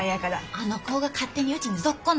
あの子が勝手にウチにぞっこんなんや。